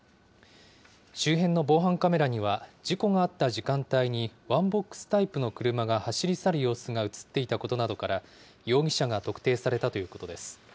周辺の防犯カメラには事故があった時間帯に、ワンボックスタイプの車が走り去る様子が写っていたことなどから、容疑者が特定されたということです。